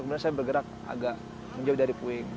kemudian saya bergerak agak menjauh dari puing